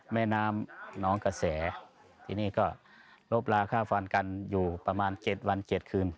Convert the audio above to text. แม่น้ำน้องกระแสที่นี่ก็ลบลาค่าฟันกันอยู่ประมาณ๗วัน๗คืน